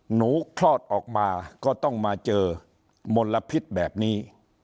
คลอดออกมาก็ต้องมาเจอมลพิษแบบนี้